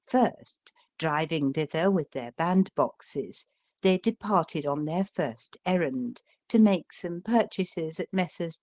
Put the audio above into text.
First, driving thither with their band boxes, they departed on their first errand to make some purchases at Messrs.